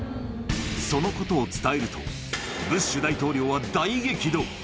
そのことを伝えると、ブッシュ大統領は大激怒。